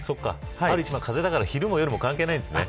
春一番、風だから昼も夜も関係ないんですね。